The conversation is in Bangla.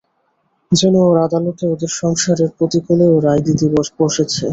যেন ওর আদালতে এদের সংসারের প্রতিকূলে ও রায় দিতে বসেছে।